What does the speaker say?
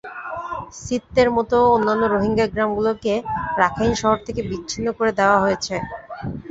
সিত্তের মতো অন্যান্য রোহিঙ্গা গ্রামগুলোকে রাখাইন শহর থেকে বিচ্ছিন্ন করে দেওয়া হয়েছে।